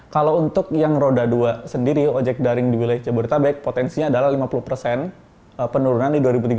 kalau untuk yang roda dua sendiri ojek daring di wilayah jabodetabek potensinya adalah lima puluh penurunan